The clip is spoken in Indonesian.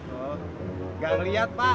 oh gak ngeliat pak